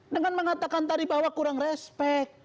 dengan mengatakan tadi bahwa kurang respect